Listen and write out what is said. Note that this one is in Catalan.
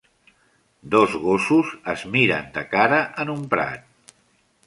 Dos gossos es miren de cara en un prat.